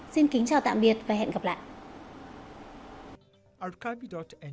xin kính chào tạm biệt và hẹn gặp lại